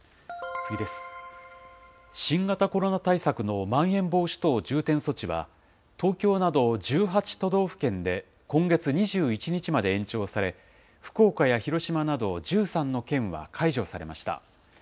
新型コロナ対策のまん延防止等重点措置は、東京など１８都道府県で今月２１日まで延長され、福岡や広島など１３の県は解除されました。